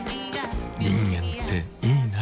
人間っていいナ。